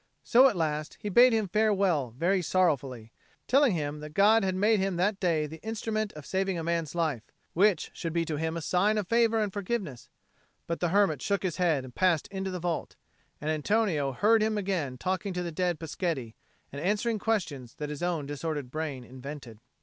So at last he bade him farewell very sorrowfully, telling him that God had made him that day the instrument of saving a man's life, which should be to him a sign of favour and forgiveness; but the hermit shook his head and passed into the vault, and Antonio heard him again talking to the dead Peschetti, and answering questions that his own disordered brain invented.